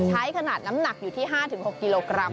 ขนาดน้ำหนักอยู่ที่๕๖กิโลกรัม